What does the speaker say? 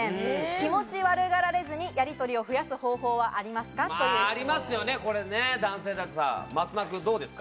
気持ち悪がられずに、やりとりを増やす方法はありますか？という松丸君どうですか？